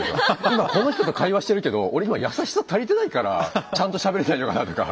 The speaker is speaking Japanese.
「今この人と会話してるけど俺今『優しさ』足りてないからちゃんとしゃべれてないのかな」とか。